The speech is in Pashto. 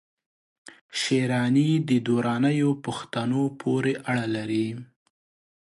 شېراني د درانیو پښتنو پوري اړه لري